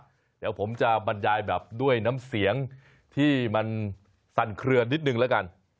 เดี๋ยวผมจะบรรยายแบบด้วยน้ำเสียงที่มันสั่นเคลือนิดนึงแล้วกัน